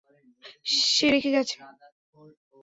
সে রেখে গেছে?